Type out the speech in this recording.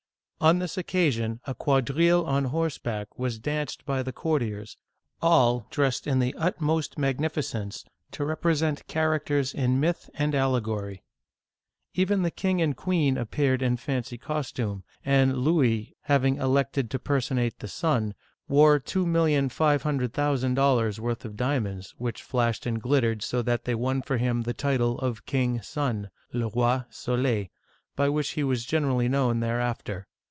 On this occasion, a quadrille on horseback was danced by the courtiers, all dressed with the utmost magnificence to rep resent characters in myth and allegory. Even the king and queen appeared in fancy costume, and Louis, having elected to personate the sun, wore $2,500,000 worth of diamonds, which flashed and glittered so that they won for him the title of " King Sun *' {le Rot Soldi), by which he was generally known thereafter.